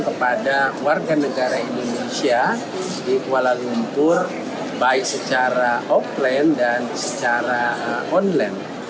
kepada warga negara indonesia di kuala lumpur baik secara offline dan secara online